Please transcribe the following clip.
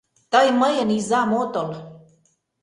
Тый мыйын изам отыл!